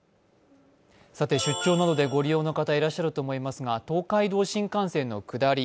出張などでご利用の方いらっしゃると思いますが東海道新幹線の下り